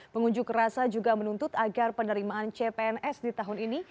pengunjuk rasa juga menuntut agar penerimaan cpns di tahun ini